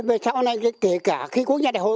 về sau này kể cả khi quốc gia đại hội